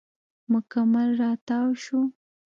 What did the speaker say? مکمل راتاو شو.